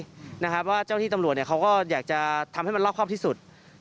เพราะว่าเจ้าที่ตำรวจเขาก็อยากจะทำให้มันรอบครอบที่สุด